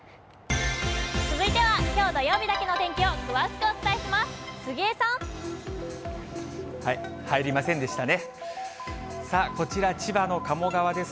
続いてはきょう土曜日だけの天気を詳しくお伝えします。